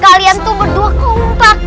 kalian tuh berdua kompak